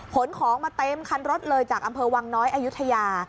ขนของมาเต็มคันรถเลยจากอำเภอวังน้อยอายุทยา